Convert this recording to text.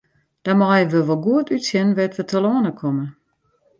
Dan meie we wol goed útsjen wêr't we telâne komme.